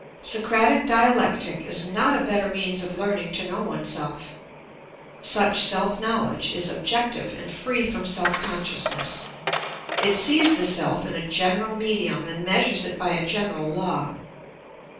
Socratic dialectic is not a better means of learning to know oneself. Such self knowledge is objective and free from self consciousness; it sees the self in a general medium and measures it by a general law.